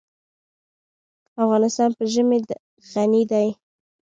افغانستان په ژمی غني دی.